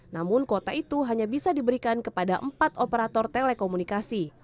namun kuota itu hanya bisa diberikan kepada empat operator telekomunikasi